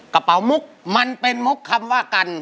กระเป๋ามุกมันเป็นมุกคำว่ากัน